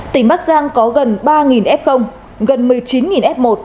tỉnh bắc giang có gần ba f gần một mươi chín f một